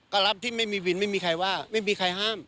ก็รับที่ไม่มีวินไม่มีใครว่าไม่มีใครห้าม